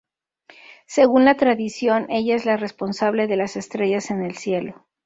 Según la tradición, ella es la responsable de las estrellas en el cielo.